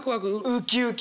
ウキウキ！